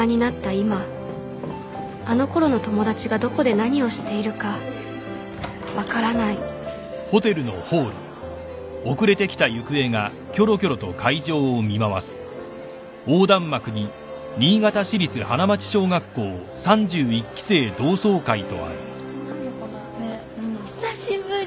今あのころの友達がどこで何をしているか分からない久しぶり。